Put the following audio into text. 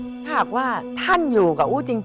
ถ้าหากว่าท่านอยู่กับอู้จริง